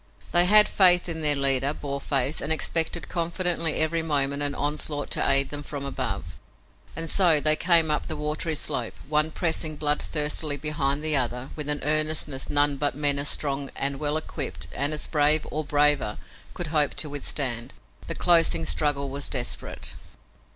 They had faith in their leader, Boarface, and expected confidently every moment an onslaught to aid them from above. And so they came up the watery slope, one pressing blood thirstily behind the other with an earnestness none but men as strong and well equipped and as brave or braver could hope to withstand. The closing struggle was desperate.